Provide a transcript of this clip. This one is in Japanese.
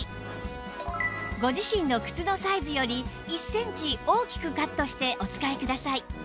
ご自身の靴のサイズより１センチ大きくカットしてお使いください